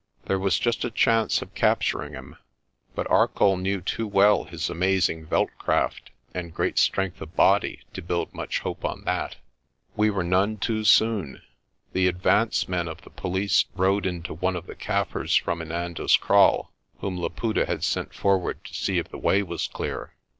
There was just a chance of capturing him, but Arcoll knew too well his amazing veld craft and great strength of body to build much hope on that. We were none too soon. The advance men of the police rode into one of the Kaffirs from Inanda's Kraal, whom Laputa had sent forward to see if the way was clear.